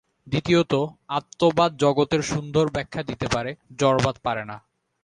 দ্বিতীয়ত আত্মবাদ জগতের সুন্দর ব্যাখ্যা দিতে পারে, জড়বাদ পারে না।